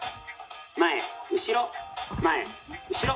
前後ろ前後ろ。